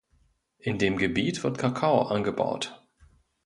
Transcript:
In dem Gebiet wird Kakao angebaut.